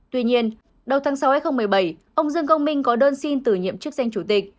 tuy nhiên đầu tháng sáu hai nghìn một mươi bảy ông dương công minh có đơn xin tử nhiệm chức danh chủ tịch